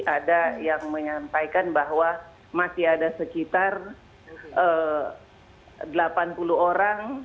ada yang menyampaikan bahwa masih ada sekitar delapan puluh orang